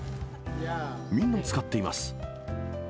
みんな使っています。